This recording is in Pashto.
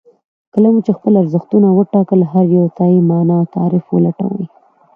کله مو چې خپل ارزښتونه وټاکل هر يو ته يې مانا او تعريف ولټوئ.